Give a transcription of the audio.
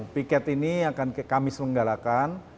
piket ini akan kami selenggarakan